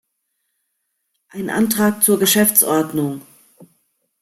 Ein Antrag zur Geschäftsordnung!